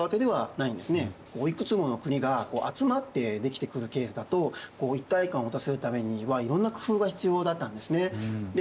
いくつもの国が集まって出来てくるケースだと一体感を持たせるためにはいろんな工夫が必要だったんですね。